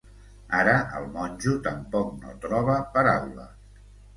Ara el monjo tampoc no troba paraules.